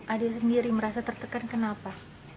adil sendiri merasa tertekan kenapa